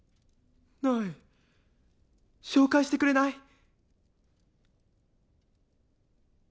ない紹介してくれない？